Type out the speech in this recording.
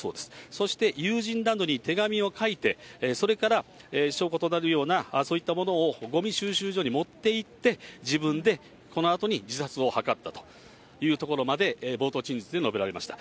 そして友人などに手紙を書いて、それから証拠となるようなそういったものをごみ収集場に持っていって、自分でこのあとに自殺を図ったというところまで冒頭陳述で述べられました。